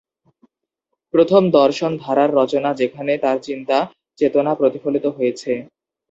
প্রথম দর্শন ধারার রচনা যেখানে তার চিন্তা চেতনা প্রতিফলিত হয়েছে।